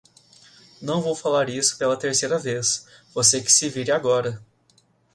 Não vou falar isso pela terceira vez, você que se vire agora.